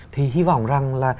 thì hy vọng rằng là